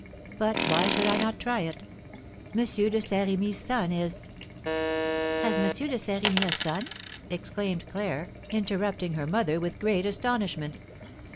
But why should I not try it? M. de Saint Remy's son is " "Has M. de Saint Remy a son?" exclaimed Claire, interrupting her mother with great astonishment.